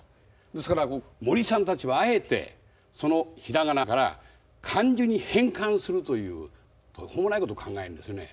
ですから森さんたちはあえてそのひらがなから漢字に変換するという途方もないことを考えるんですよね。